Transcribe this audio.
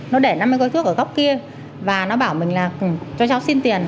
nó để năm mươi gói thuốc ở góc kia và nó bảo mình là cho cháu xin tiền